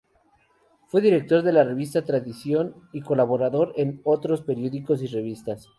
Fue director de la revista "Tradición" y colaborador en otros periódicos y revistas.